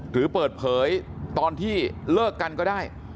หรือเปิดเผยตอนที่เลิกกันก็ได้